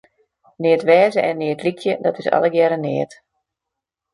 Neat wêze en neat lykje, dat is allegearre neat.